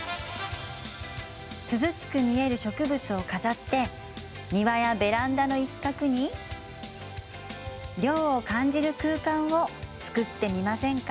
涼しく見える植物を飾って庭やベランダの一角に涼を感じる空間を作ってみませんか。